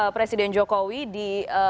presiden jokowi di